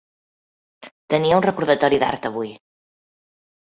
Tenia un recordatori d'Art avui.